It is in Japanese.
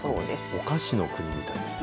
お菓子の国みたいです。